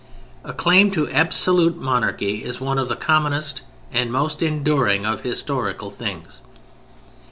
A claim to absolute monarchy is one of the commonest and most enduring of historical things.